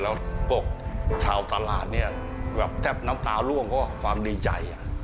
แล้วพวกชาวตลาดเนี่ยแบบแทบน้ำตาล่วงก็ความดีใจ